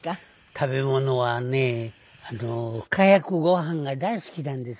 食べ物はねかやくご飯が大好きなんです。